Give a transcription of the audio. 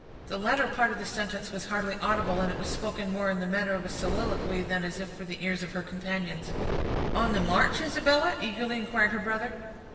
The latter part of the sentence was hardly audible, and it was spoken more in the manner of a soliloquy, than as if for the ears of her companions. "On the march, Isabella?" eagerly inquired her brother.